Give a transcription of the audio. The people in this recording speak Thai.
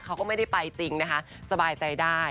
เขาก็ไม่ได้ไปจริงนะคะสบายใจได้